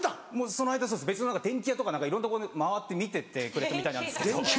その間別の電器屋とか何かいろんなとこ回って見ててくれたみたいなんですけど。